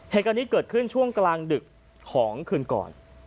เหตุการณ์นี้เกิดขึ้นช่วงกลางดึกของคืนก่อน